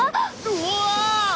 うわ！